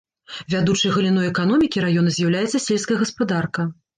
Вядучай галіной эканомікі раёна з'яўляецца сельская гаспадарка.